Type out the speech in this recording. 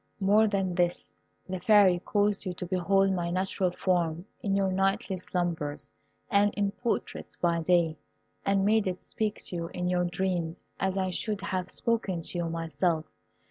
More than this, the Fairy caused you to behold my natural form in your nightly slumbers, and in portraits by day, and made it speak to you in your dreams as I should have spoken to you myself.